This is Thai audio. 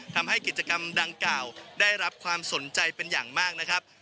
ทำให้กิจกรรมดังกล่าวได้รับความสนใจเป็นอย่างมากนะครับ